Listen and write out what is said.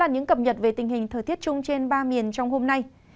các bạn cũng cập nhật về tình hình thời tiết chung trên ba miền trong hôm nay